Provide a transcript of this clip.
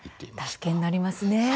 助けになりますね。